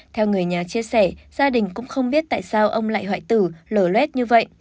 theo người nhà chia sẻ gia đình cũng không biết tại sao ông lại hoại tử lở lét như vậy